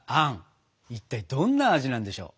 いったいどんな味なんでしょう。